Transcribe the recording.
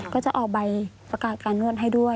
ก็จะออกใบประกาศการนวดให้ด้วย